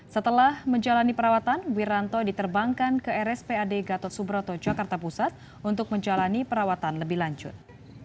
setelah menjalani perawatan wiranto diterbangkan ke rspad gatot subroto jakarta pusat untuk menjalani perawatan lebih lanjut